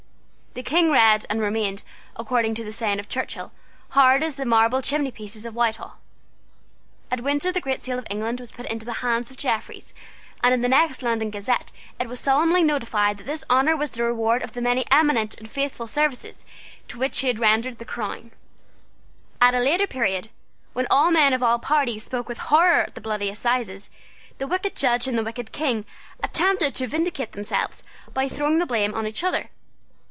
The King read, and remained, according to the saying of Churchill, hard as the marble chimneypieces of Whitehall. At Windsor the great seal of England was put into the hands of Jeffreys and in the next London Gazette it was solemnly notified that this honour was the reward of the many eminent and faithful services which he had rendered to the crown. At a later period, when all men of all parties spoke with horror of the Bloody Assizes, the wicked Judge and the wicked King attempted to vindicate themselves by throwing the blame on each other.